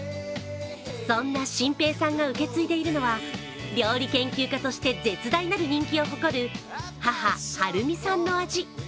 そんな心平さんが受け継いでいるのは料理研究家として絶大なる人気を誇る母・はるみさんの味。